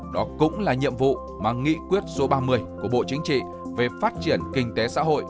đó cũng là nhiệm vụ mà nghị quyết số ba mươi của bộ chính trị về phát triển kinh tế xã hội